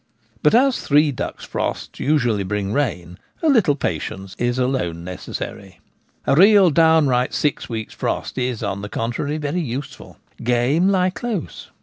But as three duck's frosts usually bring rain, a little patience is alone necessary. A real, downright six weeks' frost is, on the contrary, very useful — game lie close.